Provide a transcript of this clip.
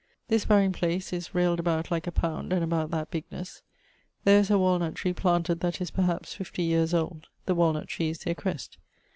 This burying place railed about like a pound, and about that bignesse. There is a walnut tree planted, that is, perhaps, 50 yeares old: (the walnut tree is their crest.)